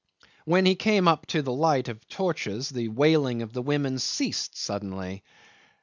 'When he came up into the light of torches the wailing of the women ceased suddenly.